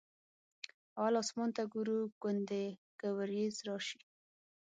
اول اسمان ته ګورو ګوندې که ورېځ راشي.